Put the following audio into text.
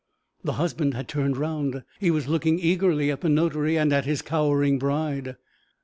The husband had turned round; he was looking eagerly at the notary and at his cowering bride.